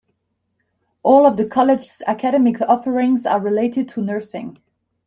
All of the college's academic offerings are related to nursing.